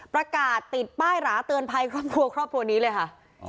ประกาศติดป้ายหราเตือนภัยครอบครัวครอบครัวนี้เลยค่ะ